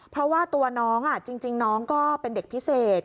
เพราะว่าตัวน้องจริงน้องก็เป็นเด็กพิเศษ